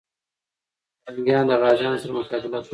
پرنګیان د غازيانو سره مقابله کوي.